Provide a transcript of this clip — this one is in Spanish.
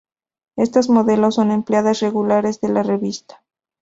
Estas modelos son empleadas regulares de la revista.